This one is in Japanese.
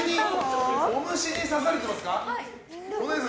お虫に刺されてますか。